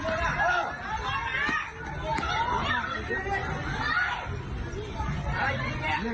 ท่านดูเหตุการณ์ก่อนนะครับ